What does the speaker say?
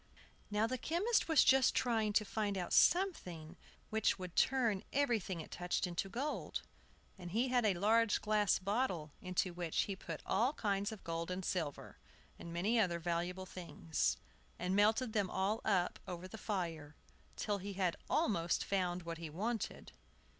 Now the chemist was just trying to find out something which should turn everything it touched into gold; and he had a large glass bottle into which he put all kinds of gold and silver, and many other valuable things, and melted them all up over the fire, till he had almost found what he wanted.